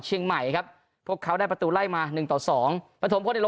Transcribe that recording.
เชียงใหม่ครับพวกเขาได้ประตูไล่มาหนึ่งต่อสองประถมพลในโล